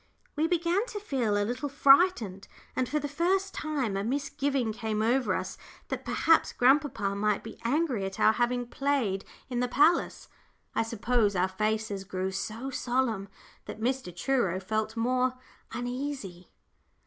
We began to feel a little frightened, and for the first time a misgiving came over us that perhaps grandpapa might be angry at our having played in the palace. I suppose our faces grew so solemn that Mr. Truro felt more uneasy.